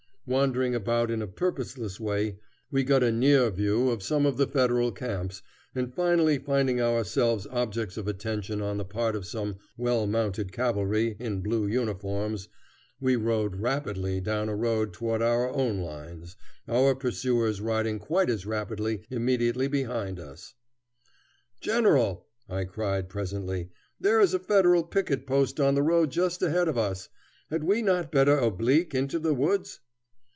Wandering about in a purposeless way, we got a near view of some of the Federal camps, and finally finding ourselves objects of attention on the part of some well mounted cavalry in blue uniforms, we rode rapidly down a road toward our own lines, our pursuers riding quite as rapidly immediately behind us. "General," I cried presently, "there is a Federal picket post on the road just ahead of us. Had we not better oblique into the woods?"